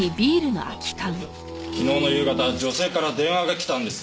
昨日の夕方女性から電話がきたんです。